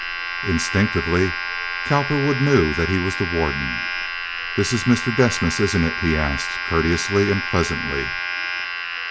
Instinctively Cowperwood knew that he was the warden. "This is Mr. Desmas, isn't it?" he asked, courteously and pleasantly.